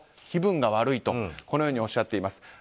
気分が悪いとこのようにおっしゃっています。